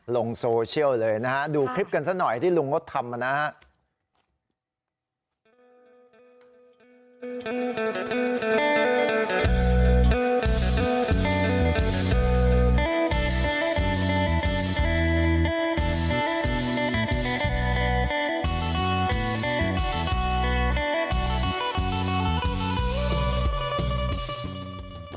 ลงโซเชียลเลยนะฮะดูคลิปกันซะหน่อยที่ลุงมดทำนะครับ